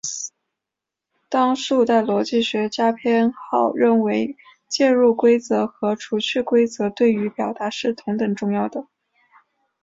多数当代逻辑学家偏好认为介入规则和除去规则对于表达是同等重要的。